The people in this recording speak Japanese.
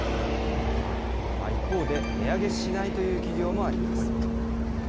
一方で、値上げしないという企業もあります。